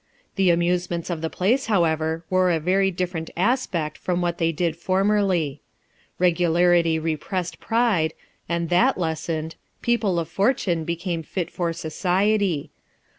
The amusements of the place, however, wore a very different aspect from what they did formerly. Regularity repressed pride, and that lessened, people of fortune became fit for society.